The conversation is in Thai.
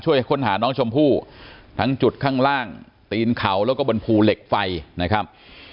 ค้นหาน้องชมพู่ทั้งจุดข้างล่างตีนเขาแล้วก็บนภูเหล็กไฟนะครับ